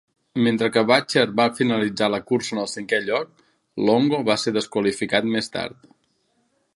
Mentre que Bucher va finalitzar la cursa en el cinquè lloc, Longo va ser desqualificat més tard.